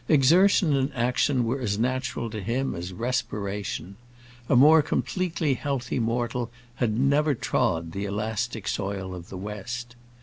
Exertion and action were as natural to him as respiration; a more completely healthy mortal had never trod the elastic soil of the West.